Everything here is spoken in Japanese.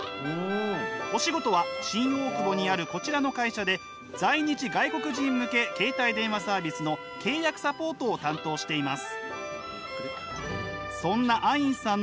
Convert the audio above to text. お仕事は新大久保にあるこちらの会社で在日外国人向け携帯電話サービスの契約サポートを担当しています。